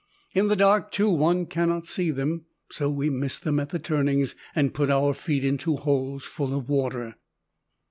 In the dark, too, one cannot see them, so we miss them at the turnings and put our feet into holes full of water.